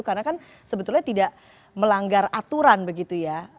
karena kan sebetulnya tidak melanggar aturan begitu ya